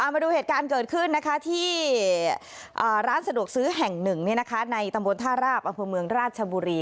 มาดูเหตุการณ์เกิดขึ้นที่ร้านสะดวกซื้อแห่งหนึ่งในตำบลท่าราบอำเภอเมืองราชบุรี